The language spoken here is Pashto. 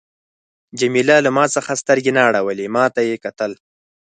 جميله له ما څخه سترګې نه اړولې، ما ته یې کتل.